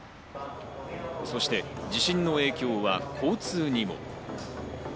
そして地震の影響は交通にも。